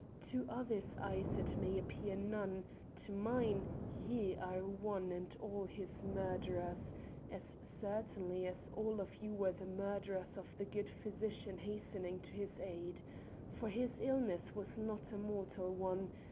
To others' eyes it may appear, none; to mine, ye are one and all his murderers, as certainly as all of you were the murderers of the good physician hastening to his aid. For his illness was not a mortal one.